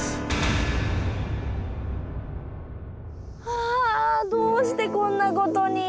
はあどうしてこんなことに。